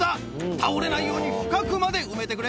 倒れないように深くまで埋めてくれ。